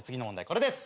これです。